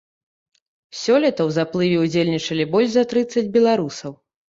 Сёлета ў заплыве ўдзельнічалі больш за трыццаць беларусаў.